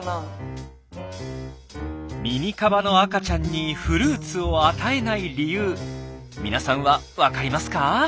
ミニカバの赤ちゃんにフルーツを与えない理由皆さんは分かりますか？